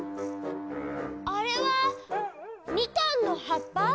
あれはみかんのはっぱ？